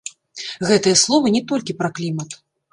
Гэтыя словы не толькі пра клімат.